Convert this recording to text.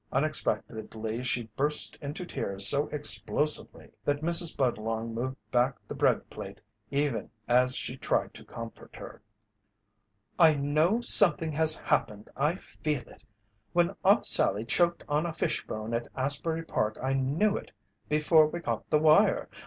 Unexpectedly she burst into tears so explosively that Mrs. Budlong moved back the bread plate even as she tried to comfort her. "I know something has happened! I feel it! When Aunt Sallie choked on a fish bone at Asbury Park I knew it before we got the wire.